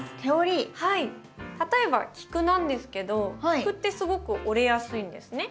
例えばキクなんですけどキクってすごく折れやすいんですね。